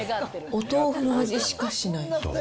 お豆腐の味しかしない。